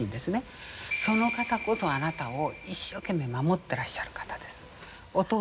その方こそあなたを一生懸命守ってらっしゃる方です。